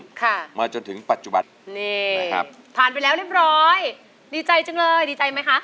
ค่ะมาจนถึงปัจจุบันนี่นะครับผ่านไปแล้วเรียบร้อยดีใจจังเลยดีใจไหมคะ